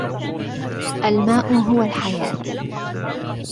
الماء هو الحياة.